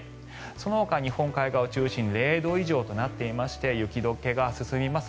そのほか日本海側を中心に０度以上となっていまして雪解けが進みます。